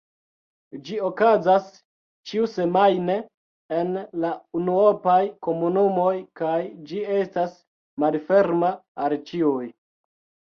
Ĝi okazas ĉiusemajne en la unuopaj komunumoj kaj ĝi estas malferma al ĉiuj.